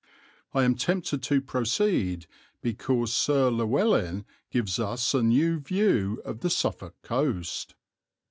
I am tempted to proceed because Sir Llewelyn gives us a new view of the Suffolk coast.